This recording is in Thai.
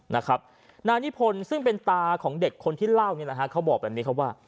นานิพลซึ่งเป็นตาของเด็กคนที่เล่าเขาบอกแบบนี้ครับว่า